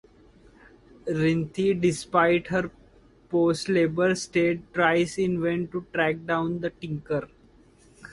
Rinthy, despite her post-labor state, tries in vain to track down the tinker.